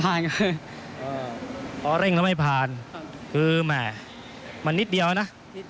ถ้าเร่งแล้วไม่พันคือแมมันนิดเดียวนะ